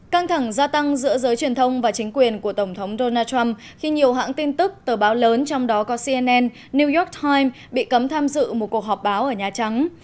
căng thẳng gia tăng giữa giới truyền thông và chính quyền của tổng thống donald trump khi nhiều hãng tin tức tờ báo lớn trong đó có cnn new york times bị cấm tham dự một cuộc họp báo ở nhà trắng